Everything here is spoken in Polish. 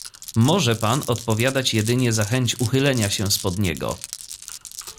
"Może pan odpowiadać jedynie za chęć uchylenia się z pod niego."